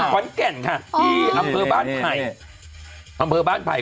ขวานแก่นค่ะที่อำเภอบ้านไผ่